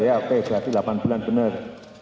ya oke jadi delapan bulan bener